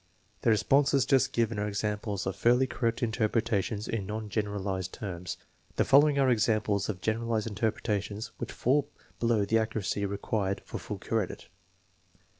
The responses just given are examples of fairly correct inter pretations in non generalized terms. The following are examples of generalized interpretations which fall below the accuracy required TEST NO. Xn, 5 295 for full credit